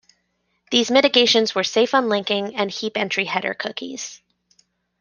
These mitigations were safe unlinking and heap entry header cookies.